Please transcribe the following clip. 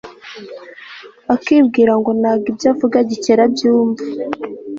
akibwira ngo ntabwo ibyo avuga Gikeli abyumva